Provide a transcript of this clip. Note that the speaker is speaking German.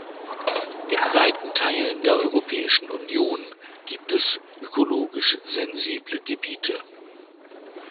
In weiten Teilen der Europäischen Union gibt es ökologisch sensible Gebiete.